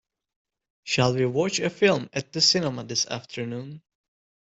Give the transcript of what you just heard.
Shall we watch a film at the cinema this afternoon?